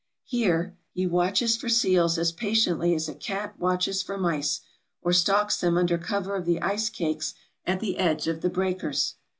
Here he MISCELLANEOUS 481 watches for seals as patiently as a cat watches for mice, or stalks them under cover of the ice cakes at the edge of the breakers."